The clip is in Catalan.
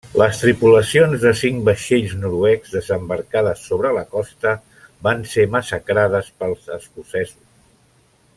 Les tripulacions de cinc vaixells noruecs desembarcades sobre la costa van ser massacrades pels escocesos.